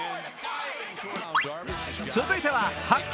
続いては発見！